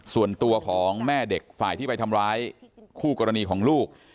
ส่วนตัวของแม่เด็กฝ่ายที่ไปทำร้ายคู่กรณีของลูก